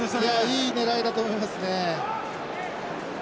いい狙いだと思いますね。